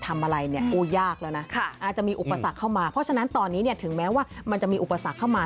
ทำอะไรเนี่ยโอ้ยากแล้วนะอาจจะมีอุปสรรคเข้ามาเพราะฉะนั้นตอนนี้เนี่ยถึงแม้ว่ามันจะมีอุปสรรคเข้ามา